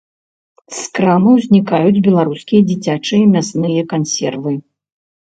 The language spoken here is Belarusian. З крамаў знікаюць беларускія дзіцячыя мясныя кансервы.